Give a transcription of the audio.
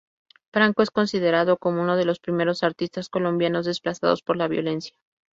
Franco es considerado como uno de los primeros artistas colombianos desplazados por la violencia.